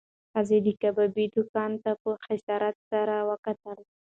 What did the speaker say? ښځې د کبابي دوکان ته په حسرت سره وکتل.